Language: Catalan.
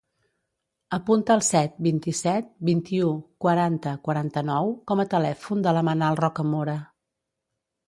Apunta el set, vint-i-set, vint-i-u, quaranta, quaranta-nou com a telèfon de la Manal Rocamora.